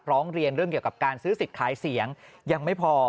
ร้องเรียนเรื่องเกี่ยวกับการซื้อสิทธิ์ขายเสียงยังไม่พอ